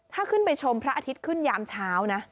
ถ้าขึ้นไปชมพระอาทิตย์ขึ้นยามเช้านะ